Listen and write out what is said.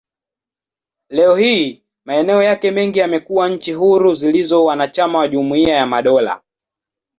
Leo hii, maeneo yake mengi yamekuwa nchi huru zilizo wanachama wa Jumuiya ya Madola.